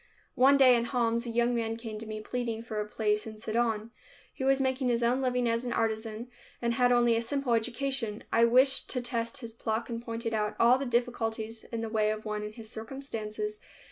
One day in Homs a young man came to me, pleading for a place in Sidon. He was making his own living as an artisan, and had only a simple education. I wished to test his pluck and pointed out all the difficulties in the way of one in his circumstances.